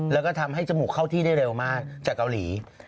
แล้วก็ทำให้จมูกเข้าที่ได้เร็วมากจากเกาหลี